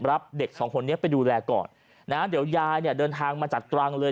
รับเด็กสองคนนี้ไปดูแลก่อนนะเดี๋ยวยายเนี่ยเดินทางมาจากตรังเลย